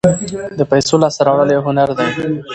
د پیسو لاسته راوړل یو هنر دی.